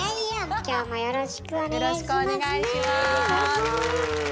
今日もよろしくお願いしますね。